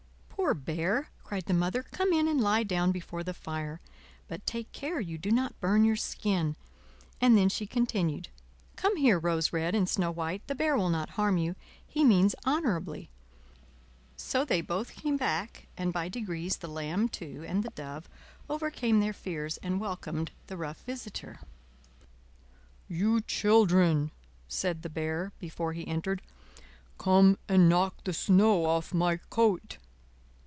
"Poor Bear!" cried the Mother; "come in and lie down before the fire; but take care you do not burn your skin;" and then she continued: "Come here, Rose Red and Snow White, the Bear will not harm you, he means honorably." So they both came back, and by degrees the lamb too and the dove overcame their fears and welcomed the rough visitor. "You children!" said the Bear, before he entered, "come and knock the snow off my coat."